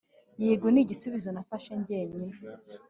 yego nigisubizo nafashe jyenjyine